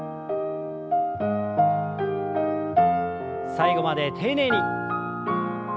最後まで丁寧に。